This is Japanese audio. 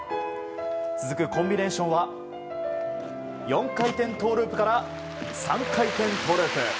続くコンビネーションは４回転トウループから３回転トウループ。